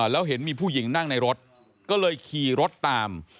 แล้วเห็นมีผู้หญิงนั่งในรถก็เลยขี่รถตาม